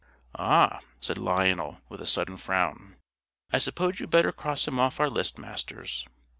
"Ah!" said Lionel, with a sudden frown. "I suppose you'd better cross him off our list, Masters."